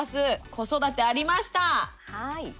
「子育て」ありました。